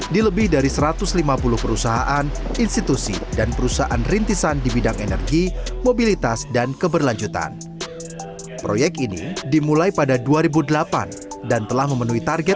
di lebih dari satu ratus lima puluh perusahaan institusi dan perusahaan rintisan di bidang energi mobilitas dan keberlanjutan